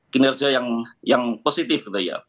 kinerja yang positif gitu ya